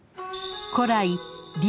［古来］